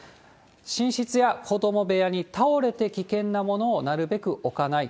寝室や子ども部屋に倒れて危険なものをなるべく置かない。